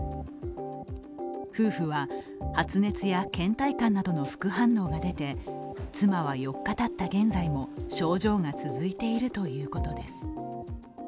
夫婦は発熱やけん怠感などの副反応が出て妻は、４日たった現在も症状が続いているということです。